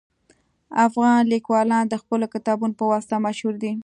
افغان لیکوالان د خپلو کتابونو په واسطه مشهور دي